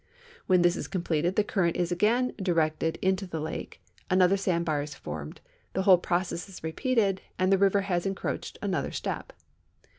When this is com pleted the current is again directed into the lake, another sand bar is formed, the whole process is repeated, and the river has encroached another step.